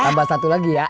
tambah satu lagi ya